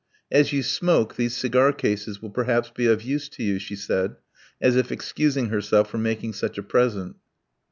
"As you smoke, these cigar cases will perhaps be of use to you," she said, as if excusing herself for making such a present.